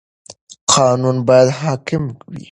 قانون باید حاکم وي.